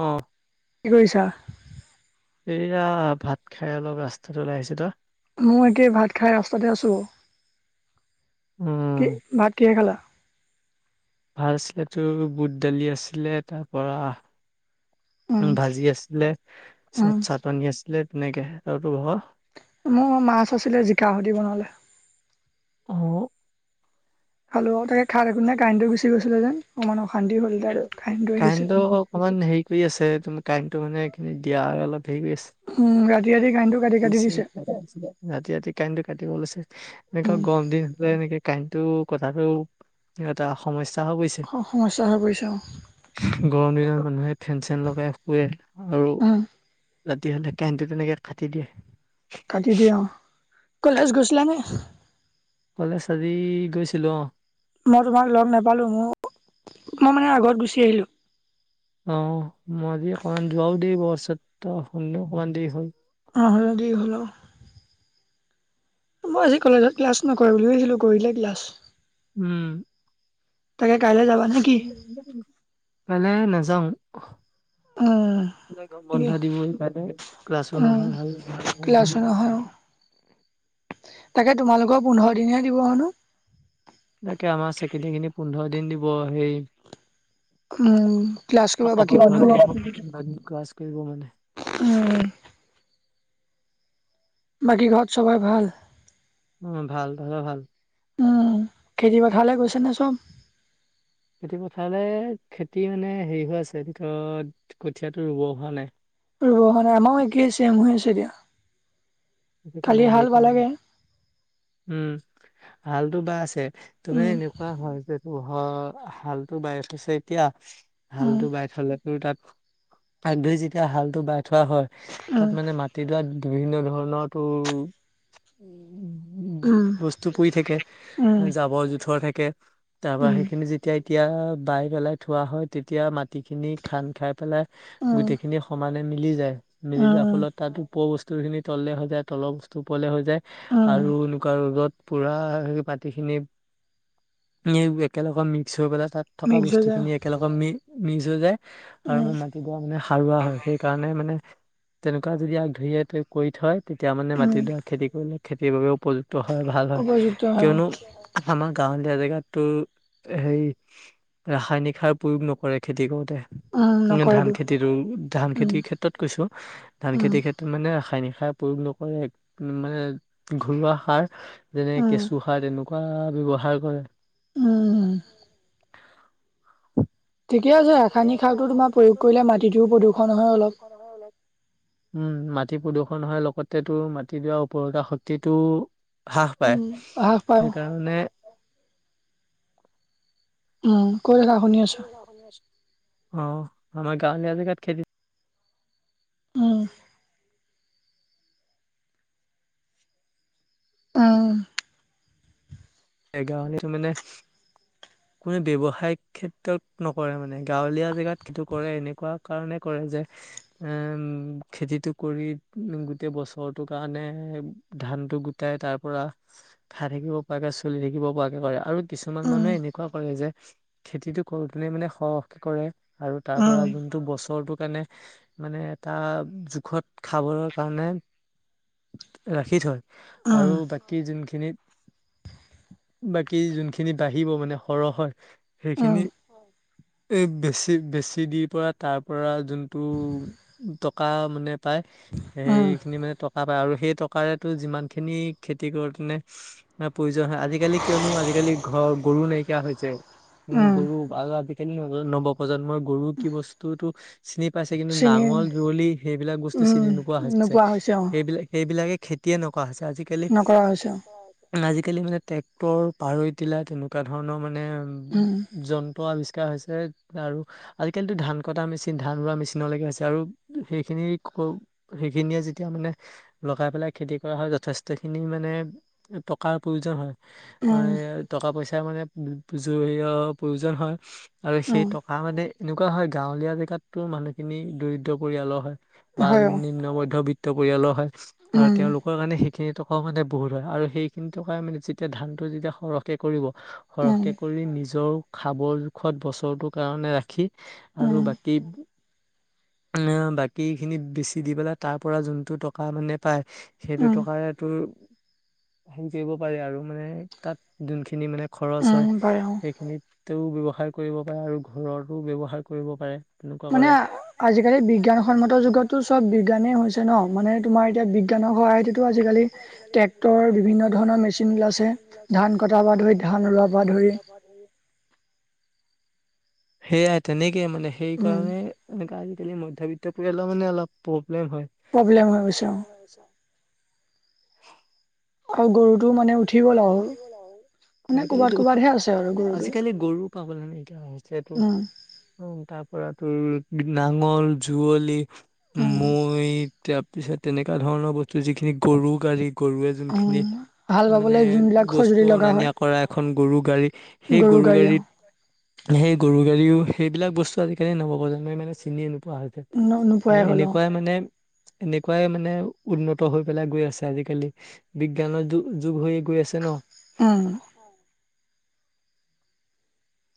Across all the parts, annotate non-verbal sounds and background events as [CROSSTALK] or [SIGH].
অহ'। কি কৰিছা? এইয়া ভাত খাই অলপ ৰাস্তাত ওলাই আহিছো। ত? মই একে ভাত খাই ৰাস্তাতে আছোঁ। উম কি, ভাত কিহে খালা? ভাত আছিলে তোৰ বুট দালি আছিলে তাৰ পৰা উম, ভাজি আছিলে, উম। তাৰপিছত চাটনি আছিলে তেনেকে। আৰু তোৰ হ মোৰ মাছ আছিলে জিকা হেদি বনালে। অ খালো আৰু। তাকে খাই একো নে কাৰেণ্টটো গুচি গৈছিলে যেন অমান কাৰেণ্টো অকমান হেৰি কৰি আছে ত কাৰেণ্টটো মানে এইখিনি দিয়া আৰু অলপ [UNINTELLIGIBLE] হেৰি কৰি আছে উম, ৰাতি ৰাতি কাৰেণ্টটো কাটি কাটি দিছে। ৰাতি ৰাতি কাৰেণ্টটো কাটিব লৈছে, এনেকুৱা উম, গৰম দিন হ'লে এনেকে কাৰেণ্টটো কথাটো, এটা সমস্যা। হৈ পৰিছে হ সমস্যা হৈ পৰি গৰম দিনত মানুহে ফেন-চেন লগাই শুৱে। আৰু অহ'। ৰাতি হ'লে কাৰণ্টটো তেনেকে কাটি দিয়ে। কাটি দিয়ে অ, কলেজ গৈছিলানে? কলেজ আজি গৈছিলোঁ অহ। মই তোমাক লগ নাপালো, মোৰ। মই মানে আগত গুচি আহিলোঁ। অহ' মই যি অকমান ধোহাও দিব আছে, তোমাৰ শুলো অকমান দেৰি হ'ল। আহ। [UNINTELLIGIBLE] মই আজি কলেজত ক্লাছ নকৰে বুলি ভাবিছিলো, কৰিলে ক্লাছ। উম'। তাকে কাইলে যাবা নে কি? এই নাযাওঁ। অহ'। [UNINTELLIGIBLE] বন্ধ দিবই কাইলে ক্লাছো উম, নহয় ভাল ক্লাছো নহয় অ'। [UNINTELLIGIBLE] তাকে তোমালোকৰ পোন্ধৰ দিনহে দিব হনো? তাকে আমাৰ চেকেণ্ড ইয়াৰ খিনি পোন্ধৰ দিন দিব সেই। উম ক্লাছ কৰিব বাকী পোন্ধৰ দিন [UNINTELLIGIBLE] উম। বাকী ঘৰত চবৰে ভাল? উম ভাল ভা'ল ভাল। উম খেতি বাথালে গৈছেনে চব? খেতি পথাৰলৈ খেতি মানে হেৰি হৈ আছে ভিতৰত কঠীয়াটো ৰুব হোৱা নাই। ৰবা নাই আমাৰো একেই আছে এম হৈ আছে এতিয়া। খেতি কাণে কালি হাল সেই কৰা নি? বালাগে উম হালতটো বা আছে। তুমি উম এনেকুৱা হয় যে পোহৰ হালতটো বাই থৈছে এতিয়া উম হালটো বাই থলেতো তাত প ধই যেতিয়া হালটো বাই। থোৱা হয়, তাত উম মানে মাটিডৰাত বিভিন্ন ধৰণৰ তোৰ উ উ উম বস্তু পৰি থাকে উম জাবৰ জোথৰ থাকে। তাৰ পৰা সেইখিনি যেতিয়া এতিয়া বাই পেলাই থোৱা হয়, তেতিয়া মাটিখিনি খান্দ খাই পেলাই উম উম গোটেইখিনি সমানে মিলি যায়। মিলি যাৰ উম ফলত তাত উপ বস্তু খিনি তললে হৈ যায়, তলৰ বস্তু ওপলৈ হৈ যায়, উম আৰু এনেকুৱা ৰ'দত পুৰা হেৰি মাটিখিনি, একেলগে মিক্স হৈ পেলাই তাত থকা মিক্স হৈ যায় বস্তুখিনি একেলগে মি মিক্স হৈ যায়, আৰু উম মোৰ মাটি পুৰা মানে সাৰুৱা হয়। সেইকাৰণে মানে তেনেকুৱা যদি আগ ধৰি আতৈ কৰি থয়, তেতিয়া মানে উম মাটিডৰা খেতি কৰিলে খেতিৰ বাবেও উপযুক্ত হয়। ভাল হয়। উপযুক্ত হয় অ'। কিয়নো, আমাৰ গাঁৱলীয়া জেগাত টো, সেই, ৰাসায়নিক সাৰ প্ৰয়োগ নকৰে খেতি কৰোঁতে। উম উ ধান নকৰেতো খেতিটো, ধান উম খেতিৰ ক্ষেত্ৰত কৈছোঁ। ধান উম খেতিৰ ক্ষেত্ৰত মানে ৰাসায়নিক সাৰ প্ৰয়োগ নকৰে, মানে ঘৰুৱা সাৰ, যেনে উম কেঁচু সাৰ তেনেকুৱা কুৰা ব্যৱহাৰ কৰে। উম। ঠিকে আছে সেইটোও ৰাসায়নিক হয়। সাৰটো তোমাৰ ৰাসায়নিক প্ৰয়োগ সাৰটো কৰিলে তোমাৰ প্ৰয়োগ মাটিটোও কৰিলে প্ৰদূষণ হয় মাটিটোও অলপ প্ৰদূষণ হয় অলপ। উম্ মাট টি প্ৰদূষণ হয় লগতে তোৰ মাটিটো আৰু উৰ্বৰতা শক্তিটোও হ্ৰাস পায় উম হ্ৰাস পায় সেইকাৰণে। উম, কৈ থাকা অ। শুনি আছো। আমাৰ গাঁৱলীয়া জেগাত খেতি উম, আহ। এ গাঁৱলীয়াত মানে, কোনো ব্যৱসায়িক ক্ষেত্ৰত নকৰে মানে গাঁৱলীয়া জেগাত কিটো কৰে এনেকুৱা কাৰণে কৰে। যে উম খেতিটো কৰি উ গোটেই বছৰটো কাৰণে ধানটো গোটাই তাৰ পৰা খাই থাকিব পৰাকৈ চলি থাকিব পৰাকে কৰে আৰু কিছুমান উম, মানুহে এনেকুৱা কৰে যে খেতিটো কৰোতেনে মানে সহকে কৰে। আৰু তাৰ উম, পৰা যোনটো বছৰ ৰটোৰ কাৰণে মানে এটা জোখত খাবৰ কাৰণে, ৰাখি থয়, উম, আৰু বাকী যোনখিনিত বাকী যোনখিনি বাঢ়িব মানে সৰহ হয়। উম, সেইখিনি এ বেছি বেছি দি পৰা, তাৰ পৰা যোনটো টকা মানে পাই, উম, সেইখিনি মানে টকা পায়, আৰু সেই টকাৰে তোৰ যিমান খিনি খেতি কৰোঁতে মানে প্ৰয়োজ আজিকালি কিয়নো আজিকালি ঘৰ গৰু নাইকিয়া হৈছে। উম, গৰু আৰু আজিকালি [UNINTELLIGIBLE] নৱপ্ৰজন্মই গৰু কি বস্তু এইটো চিনি পাইছে কিন্তু চিনি নাঙল যৱলি সেইবিলাক বস্তু উম, চিনি নোৱা হৈছে নোপোৱা অ, সেইবিলাক সেইবিলাকে খেতিয়ে নক [UNINTELLIGIBLE] হৈছে আজিকালি- নকৰা হৈছে অ, আজিকালি মানে ট্ৰেক্টৰ পাৰৈ টিলা তেনেকুৱা ধৰণৰ মানে উম, মানে যন্ত্ৰ আবিচ হৈছে আৰু আজিকালিতো ধান কটা মেচিন ধান ৰোৱা মেচিনলৈকে হৈছে আৰু সেইখিনি আকৌ সেইখিনিয়ে যেতিয়া মানে লগাই পেলাই খেতি কৰা হয় যথেষ্টখিনি মানে টক প্ৰয়োজন হয় উম, টকা পইচাৰ মানে জ প্ৰয়োজন হয়। আৰু সেই উম, টকা মানে এনেকুৱা হয় গাঁৱলীয়া জেগাততো মানুহখিনি দৰিদ্ৰ পৰিয়ালৰ হয়। বা হয় অ, নিম্নমধ্য বিত পৰিয়ালৰ হয় আৰু উম, তেওঁলোকৰ কাৰণে সেইখিনি টকাও মানে বহুত হয় আৰু সেই কিন্তু মানে যেতিয়া ধান টো যেতিয়া সৰহকে কৰিব উম, সৰহকে কৰি নিজ নিজও খাবৰ জোখত বছৰটোৰ কাৰণে ৰাখি উম, আৰু বাকী [UNINTELLIGIBLE] বাকী খিনি বেছি দি পেলাই তাৰ পৰা যোনটো টকা মানে পাই সেইটো উম, টকাৰে এটো। [INAUDIBLE] হেৰি কৰিব পাৰে আৰু মানে তাত যোনখিনি মানে খৰচ উম, হয় পাৰে অ, সেইখিনিত তো ব্যৱসায় কৰিব পাৰে আৰু ঘৰতো ব্যৱসায় কৰিব পাৰে। তেনেকুৱা মানে কৰে আজিকালি বিজ্ঞানসন্মত যুগতো চব বিজ্ঞানে হৈছে ন মানে তোমাৰ এতিয়া বিজ্ঞান [UNINTELLIGIBLE] আজিকালি ট্ৰেক্টৰ [UNINTELLIGIBLE] বিভিন্ন ধৰণৰ মেচিন উলাইছে ধান কটাৰ পা ধৰি ধান কটাৰ উলোৱা পা ধৰি [INAUDIBLE] সেয়াই তেনেকে মানে উম, সেইকাৰণে এনেকা আজিকালি মধ্যাবিত্ত পৰিয়ালৰ মানে অলপ প প্ৰব্লেম হৈ গৈছে অ। [INAUDIBLE] আৰু গৰুটো মানে উঠি গৰুটো গ'ল মানে আৰু উঠি গল মানে ক'ৰবাত আজিকালিতো ক'ৰবাতহে আছে আৰু গৰুটো আজিকালি গৰু পাব নে? এতিয়া হৈছেটো উম, তাৰ পৰা তোৰ নাঙল যুৱলি উম মৈ এয়া পিছে তেনেকুৱা ধৰণৰ বস্তু যিখিনি গৰু গাড়ী গৰুৱে উম যোনখিনি হাল মানে বাবলৈ যোনবিলাক বস্তু সঁজুলি অ লগা হয় নিয়া কৰা। এখন গৰু গাড়ী সেই গৰু গাড়ী অ গাড়ীত সেই গৰু গেৰিও সেইবিলাকস্তুজিকালি নব যে মই মানে চিনিয়ে- ৱা নোপোৱাই হ'ল অ এনেকুৱাই মানে এনেকুৱাই মানে উন্নত হৈ পেলাই গৈ আছে আজিকালি বিজ্ঞানৰ যু যুগ হৈ গৈ আছে ন। উম,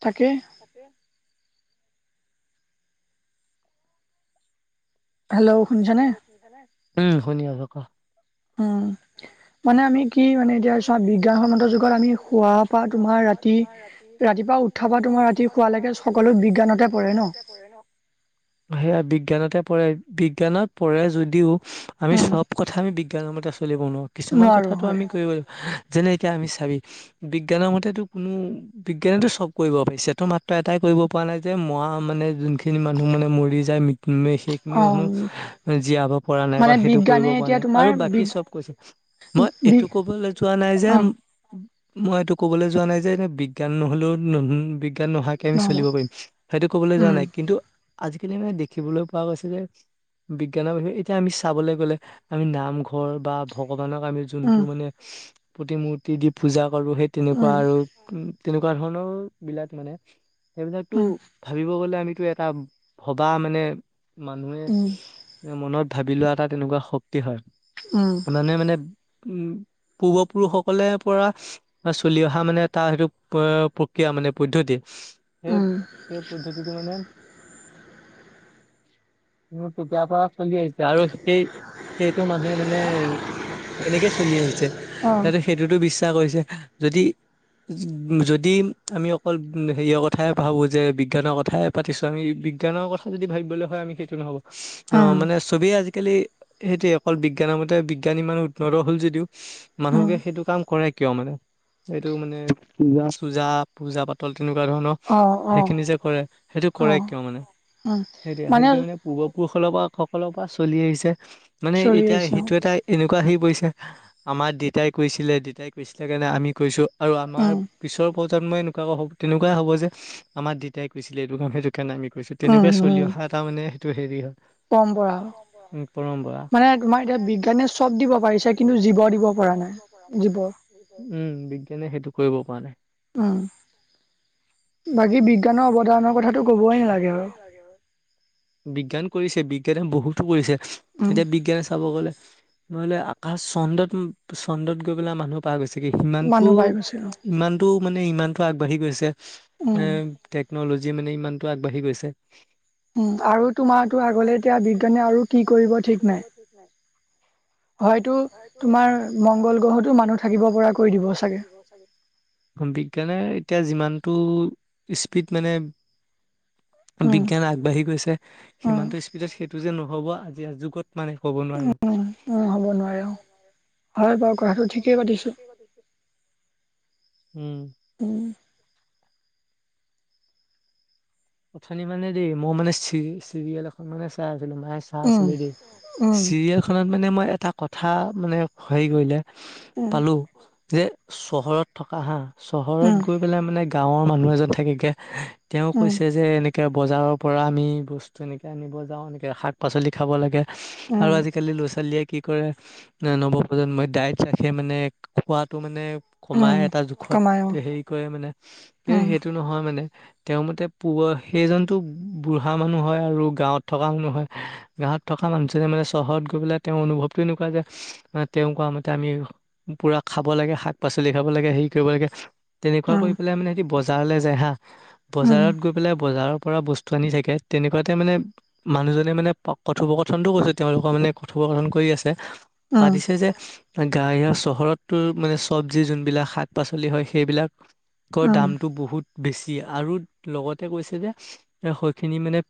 তাকে। তাকে। হেল্ল' শুনছানে? উম শুনি আছো ক। অ। মানে আমি কি মানে এতিয়া চা বিজ্ঞানসন্মত যুগত আমি শুৱ পৰা তোমাৰ ৰাতি ৰাতি ৰাতিপুৱা উঠাৰ পৰা ৰাতিপুৱা তোমাৰ উঠা ৰাতি পৰা তোমাৰ শোৱালৈকে আজি শুৱা সকলো লৈকে সকলো বিজ্ঞানতে পৰে ন বিজ্ঞানতে পৰে ন। সেয়া বিজ্ঞানতে পঢ় বিজ্ঞানত পঢ়ৰে যদিও আমি উম চব কথা আমি বিজ্ঞানৰ মতে চলিব নোৱাৰো কিছুমান নোৱাৰো কথাটো হয় আমি কৰিব লাগ যেনে এতিয়া আমি চাবি বিজ্ঞানৰ মতেতো কোনো বিজ্ঞানেতো চব কৰিব পাৰিছে ত মাত্ৰ এটাই কৰিব পৰা নাই যে মৰা মানে যোনখিনি মানুহ মানে মৰি যায় ম সেইখিনি অ মানুহ জীয়াব পৰা নাই মানে [UNINTELLIGIBLE] সেইটো কৰিব বিজ্ঞানে পৰা এতিয়া নাই তোমাৰ আৰু বি বাকী চব কৈছো মই বি এইটো কবলৈ যোৱা নাই অ যে- মই এইটো ক'বলৈ যোৱা নাই যে এ বিজ্ঞান নহলেও নতুন বি বিজ্ঞান নোহোৱাকে আমি নহ'ব চলিব পাৰিম সেইটো কবলৈ যোৱা উম নাই কিন্তু আজিকালি মানে দেখিবলৈ পোৱা গৈছে যে। বিজ্ঞানৰ বিষয়ে এতিয়া আমি চাবলৈ গ'লে আমি নামঘৰ বা ভগ [UNINTELLIGIBLE] আমি যোনটো উম মানে প্ৰতিমূৰ্তি দি পূজা কৰো সেই তেনেকুৱা উম আৰু তেনেকুৱা ধৰণৰ বিলাক মানে সেইবিলাকতো উম ভাবিব গ'লে আমি এটাটো এটা ভবা মানে মানুহে উম মনত ভাবি লোৱা এটা তেনেকুৱা শ তে হয় উম [UNINTELLIGIBLE] মানে উম পূৰ্বপুৰুষসকলে পৰা চলি অহা মানে এাৰ সেইটো প্ৰক য়া মানে পদ্ধতি সেই উম সেই পদ্ধতিটো মানে মোৰ তেতিয়াৰ পৰা চলি আহিছে আৰু সেই সেইটো মানুহে মানে। তেনেকে চলি আহিছে অ সিহতে সেইটোতো বিশ্বাস কৰিছে যদি, উ যদি আমি অকল হেৰিয়ৰ কথাই ভাবো যে বিজ্ঞানৰ কথাই পাতিছো আমি- বিজ্ঞানৰ কথা যদি ভাবিবলৈ হয়, আমি সেইটো নহ'ব। অ', উম মানে চবেই আজি আজিকালি সেইটোৱে অকল বিজ্ঞানৰ মতে বিজ্ঞান ইমান উন্নত হ'ল যদিও উম মানুহবে সেইটো কাম কৰে। কিয় মানে এইটো মানে পূজা চূজা পূজা পাতল- তেনেকুৱা ধৰণৰ অ অ সেইখিনি যে কৰে সেইটো অ কৰে কিয় মানে সেইটো মানে- পুৰুষসকলৰ পৰা সকলৰ পৰা চলি আহিছে, মানে চলি এতিয়া আহিছে সেইটো এটা এনে আহি পৰিছে আমাৰ দতাই কৈছিলে দতাই কৈছিলে কাৰণে আমি কৈছো। আৰু আমাৰ উম পিছৰ প্ৰজন্মই এনেকুৱা হ তেনেকুৱাই হ'ব যে আমাৰ দেতাই কৈছিলে এইটো কাৰণ সেইটো। কেনে আমি কৈছো উম তেনেকুৱাই চলি উম অহা এটা মানে হেইটোৱে হেৰি হয়। পৰম্পৰা আও। উম পৰম্পৰা মানে তোমাৰ এতিয়া বিজ্ঞানে চব দিব পাৰিছে, কিন্তু জীৱ দিব পৰা নাই [UNINTELLIGIBLE] জীৱ উম, বিজ্ঞানে সেইটো কৰিব পৰা নাই। উম বাকি বি বাকী বিজ্ঞানৰ অৱদৰ কথাটো ক'বই নেলাগে বাৰু। বিজ্ঞ বিজ্ঞান কৰিছে, বিজ্ঞানে বহুতো কৰিছে। উম এতিয়া বিজ্ঞানে চাব গ'লে ন'হলে আকাশ চন্দত, চন্দত গৈ পেলাই মানুহ পাই গৈছে গতিকে সিমানতটো মানুহ পাই গৈছে আৰু ইমানতটো মানে ইমানতটো আগবাঢ়ি গৈছে উম এ মে ইমান আগবাঢ়ি গৈছে। উম আৰু তোমাৰো আগলে এতিয়া বিজ্ঞানে আৰু কি কৰিব ঠিক নাই। হয়তো তোমাৰ তোমাৰ মংগল গ্ৰহতো মংগল গ্ৰহতো থাকিব মানুহ পৰা কৰি থাকিব পৰাকৈ চাগে দিব চাগে। বিজ্ঞানে এতিয়া যিমানটো স্পীড মানে- উম বিজ্ঞান আগবাঢ়ি গৈছে উম সিমানটো স্পীডত সেইটো যে নহব আজি যুগত মানে হ'ব নোৱাৰে। উম উম হ'ব নোৱাৰে অ হয় বাৰু কথাটো ঠিকেই পাতিছো। উম। উম। অথনি মানে দেই মই মানে চিৰি-চিৰিয়েল এখন মানে চাই আছ ম চা উম, চমি দেই উম। চিৰিয়েল খনত মানে মই এটা কথা মানে হেৰি কৰিলে। উম। পালো যে চহৰত থকা হা চহৰত উম, গৈ পেলাই মানে- গাঁৱৰ মানুহ এজন থাকেগে তেওঁ উম, কৈছে। যে এনেকে বজাৰৰ পৰা আমি বস্তু এনেকে আনিব যাওঁ, এনেকে শাক পাচলি খাব লাগে। আৰু উম, আজি আজিকালি ল'ৰা-ছোৱালীয়ে কি কৰে, নৱপ্ৰজন্মই ডাইট ৰাখে, মানে খোৱাতটো মানে কমাই উম, এটা জোখত কমাই অ', হেৰি কৰে মানে। কি উম, সেইটো নহয় মানে তেওঁ মতে পোৱা সেইজনো বুঢ়া মানুহ হয় আৰু গাঁৱত থকা মানুহ নহয় গাঁৱত থকা মানুহজ মানে চহৰত গৈ পেললে তেওঁ অনুভৱটো এনেকুৱা যে তেওঁ কোৱা মতে আমি পুৰা খাব লাগে। শাক-পাচলি খাব লাগে হেৰি কৰিব লাগে তেনেকুৱা উম, কৰি পেলাই মানে স বজাৰলৈ যায় হা উম। বজাৰত গৈ পেলাই বজাৰৰ পৰা বস্তু আনি থাকে। তেনেকুৱাতে মানে মানুহজনিৰ মানে কথোপকথনতটো কৈছে তেওঁলোকৰ মা নে কথোপকথন কৰি আছে। উম, পাতিছে যে গা ইয়া চহৰতো মানে চবজি যোনবিলাক শাক পাচলি হয় সেইবিলাক উম, উম, দামতটো বহুত বেছি আৰু লগত তেওঁ কৈছে যে সৈখিনি মানে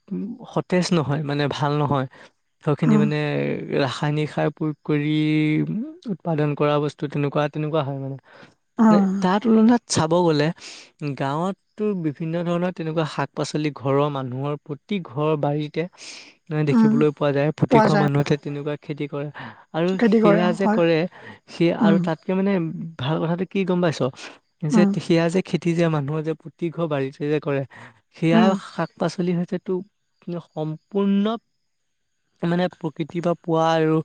সতেজ নহয়, মানে ভাল নহয়। থ খিনি মানে ৰাসায়নিক সাৰ প্ৰয়োগ কৰি উৎপাদন কৰা বস্তু তেনেকুৱা তেনেকুৱা হয় মানে। উম, তাৰ তুলনাত চাব গ'লে গাঁৱতো বিভিন্ন ধৰণত তেনেকুৱা শাক পাচলি ঘৰৰ মানুহৰ প্ৰতি ঘৰৰ বাৰীতে নে উম, দেখিবলৈ পোৱা যায় প্ৰতি পোৱা খোৱা যায় মানুহতে তেনেকুৱা খেতি কৰে আৰু খেতি কৰে সেয়া অ', যে হয়। কৰে সি আৰু উম, তাতকে মানে ভাল কথাটো কি গম পাইছ যে উম, সেয়া যে খেতি যে মানুহে যে প্ৰতি ঘৰ বাৰীতে যে কৰে উম, সেয়াও শাক-পাচলিৰ সৈতেটো কি সম্পূৰ্ণ মানে প্ৰকৃতিৰ পৰা পোৱা আৰু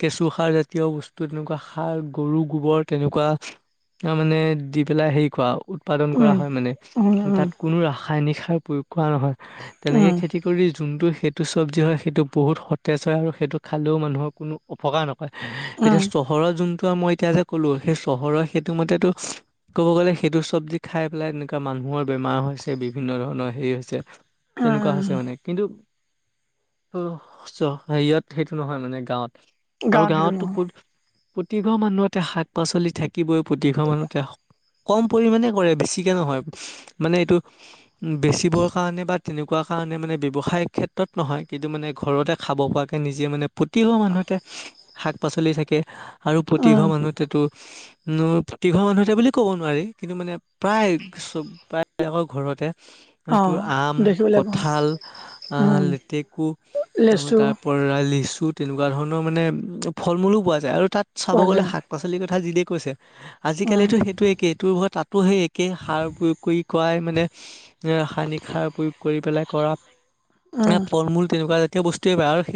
কেঁচু সাৰ জাতীয় বস্তু তেনেকুৱা সাৰ গৰু গোবৰ তেনেকুৱা মানে দি পেলাই হেৰি কৰা উৎপাদন কৰা উম, হয় মানে উম, উম, উম, তাত কোনো ৰাসায়নিক সাৰ প্ৰয়োগ খোৱা নহয় তেনেকে উম। খেতি কৰি যোনটো সেইটো চব্জি হয় সেইটো বহুত সতেজ হয় আৰু সেইটো খালেও মানুহৰ কোনো অপকাৰ নকৰে। এতিয়া চহৰ যোন মই এতিয়া যে কলো সেই চহৰৰ সেইটো মতেতটো ক'ব গ'লে সেইটো চব্জি খাই পেলাই এনেকুৱা মানু মানুহৰ বেমাৰ হৈছে বিভিন্ন ধৰণৰ হেৰি হৈছে তেনেকুৱা উম, হৈছে মানে কিন্তু হেৰিয়ত সেইটো নহয় মানে গাঁৱত আৰু গাঁৱত সেইটো গাঁৱতটো নহয় ক'ত প্ৰতিঘৰ মানুহতে শাক পাচলি থাকিবই প্ৰতিঘৰ মানুহতে কম পৰিমানে কৰে বেছিকে নহয় মানে এইটো বেচিবৰ কাৰণে বা তেনেকুৱা কাৰণে মানে ব্যৱসায় ক্ষেত্ৰত নহয় কিন্তু মানে ঘৰতে খাব পৰাকৈ নিজে মানে। প্ৰতিঘ মানুহতে শাক পাচলি থাকে আৰু প্ৰতিঘৰ উম, মানুহতেতো উ তীঘৰ মানুহ এতে বুলি ক'ব নোৱাৰি কিন্তু মানে প্ৰায় চব প্ৰায় আকৌ ঘৰতে এইটো অ'। আম দেখিবলৈ পাওঁ কঠাল আহ উম, লেতেকু লেচু তাৰ পৰা [UNINTELLIGIBLE] ৰাল্লিছ তেনেকুৱা ধৰণৰ মানে ফল মূলো পোৱা যায় আৰু তাত চাব পোৱা গ'লে যায় শাক পাচলিৰ কথা জিদেই কৈছে উম, আজিকালিতো সেইটো একেইটো তাতো সেই একে সাৰ প্ৰয়োগ কৰি কৰাই মানে ৰাসায়নিক সাৰ প্ৰয়োগ কৰি পেলাই কৰা উম। ফল মূল তেনেকুৱা জাতীয় বস্তুয়ে পায় আৰু সেই